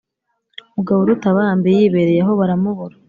mugaburutabandi yibereye aho, baramubura